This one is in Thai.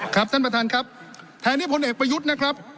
ครับท่านประธานครับแทนที่พลเอกประยุทธ์นะครับ